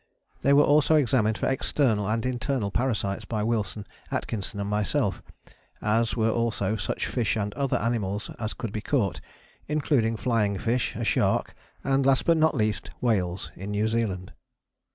They were also examined for external and internal parasites by Wilson, Atkinson and myself, as were also such fish and other animals as could be caught, including flying fish, a shark, and last but not least, whales in New Zealand.